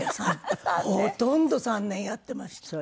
ほとんど３年やってました。